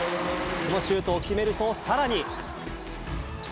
このシュートを決めると、さらに。